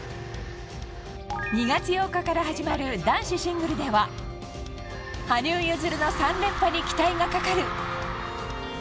２月８日から始まる男子シングルでは羽生結弦の３連覇に期待がかかる。